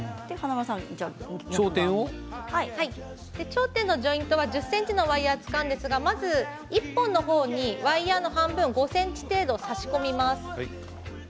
頂点のジョイントは１０ｃｍのワイヤーを使うんですがまず１本のほうにワイヤーの半分５ｃｍ程度差し込みます。